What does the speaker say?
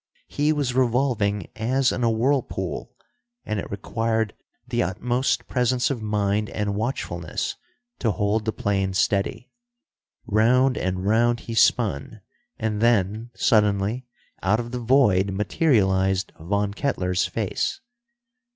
He was revolving as in a whirlpool, and it required the utmost presence of mind and watchfulness to hold the plane steady. Round and round he spun and then, suddenly, out of the void materialized Von Kettler's face.